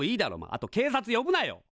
あと警察呼ぶなよ！